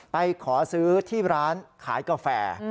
ไปขอซื้อที่ร้านขายกาแฟ